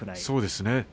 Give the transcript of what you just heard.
そうですね。